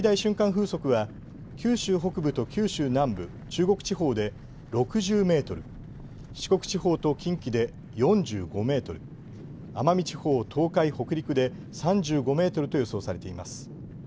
風速は九州北部と九州南部、中国地方で６０メートル、四国地方と近畿で４５メートル、奄美地方、東海、北陸で３５メートルと予想されています。